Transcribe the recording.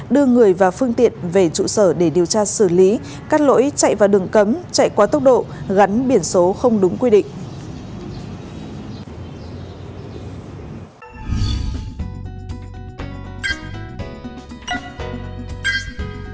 đưa người và phương tiện về trụ sở để điều tra xử lý các lỗi chạy vào đường cấm chạy quá tốc độ gắn biển số không đúng quy định